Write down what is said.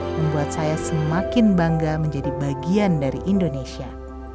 membuat saya semakin bangga menjadi bagian dari indonesia